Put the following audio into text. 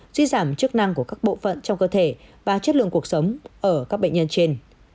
suy giảm chức năng của các bộ phận trong cơ thể và chất lượng cuộc sống ở các bệnh nhân trên